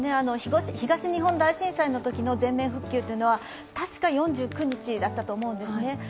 東日本大震災のときの全面復旧というのは確か４９日だったと思うんですね。